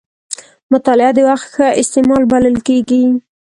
مطالعه د وخت ښه استعمال بلل کېږي.